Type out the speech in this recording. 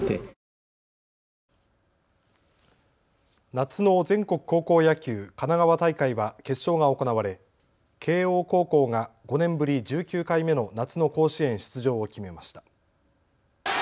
夏の全国高校野球神奈川大会は決勝が行われ慶応高校が５年ぶり、１９回目の夏の甲子園出場を決めました。